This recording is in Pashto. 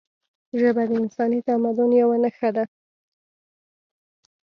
ژبه د انساني تمدن یوه نښه ده